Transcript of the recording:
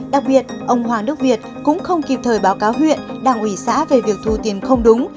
đặc biệt ông hoàng đức việt cũng không kịp thời báo cáo huyện đảng ủy xã về việc thu tiền không đúng